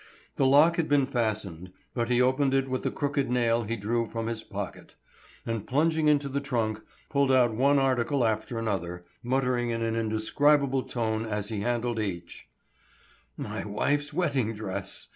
The lock had been fastened, but he opened it with the crooked nail he drew from his pocket; and plunging into the trunk, pulled out one article after another, muttering in an indescribable tone as he handled each: "My wife's wedding dress!